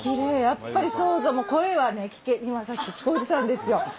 やっぱり声はね今さっき聞こえてたんですよ。